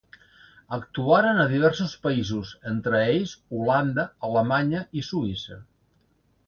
Actuaren a diversos països, entre ells, Holanda, Alemanya i Suïssa.